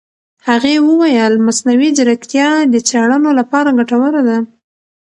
هغې وویل مصنوعي ځیرکتیا د څېړنو لپاره ګټوره ده.